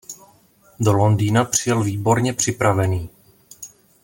Do Londýna přijel výborně připravený.